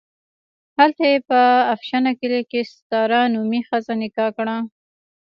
هلته یې په افشنه کلي کې ستاره نومې ښځه نکاح کړه.